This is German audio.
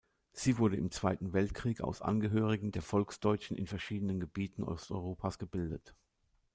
Sie wurde im Zweiten Weltkrieg aus Angehörigen der Volksdeutschen in verschiedenen Gebieten Osteuropas gebildet.